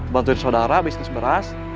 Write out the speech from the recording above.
bantuin saudara bisnis beras